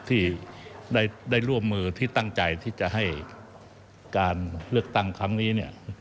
ที่ได้ร่วมมือที่ตั้งใจที่จะให้การเลือกตั้งครั้งนี้เนี่ย